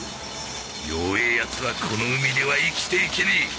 弱えやつはこの海では生きていけねえ。